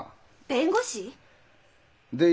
弁護士？で